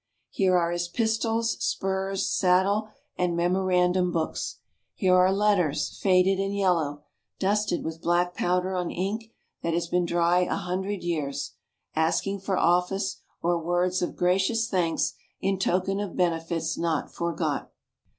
Here are his pistols, spurs, saddle and memorandum books. Here are letters, faded and yellow, dusted with black powder on ink that has been dry a hundred years, asking for office, or words of gracious thanks in token of benefits not forgot.